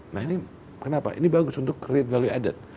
nah ini kenapa ini bagus untuk create value added